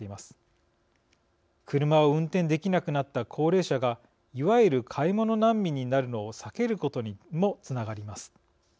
車を運転できなくなった高齢者がいわゆる買い物難民になるのを避けることにもつながります。